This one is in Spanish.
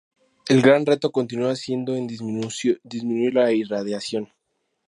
El gran reto continúa siendo en de disminuir la irradiación.